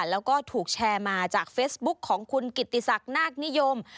แล้วก็ถูกแชร์มาจากเฟซบุ๊คของคุณกิติศักดิ์นาคนิยม